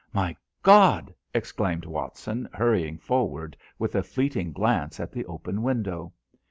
"My God!" exclaimed Watson, hurrying forward with a fleeting glance at the open window.